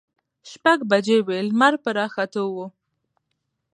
شپږ بجې وې، لمر په راختو و.